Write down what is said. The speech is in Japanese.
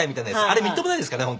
あれみっともないですからね